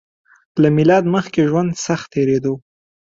له میلاد مخکې ژوند سخت تېریدو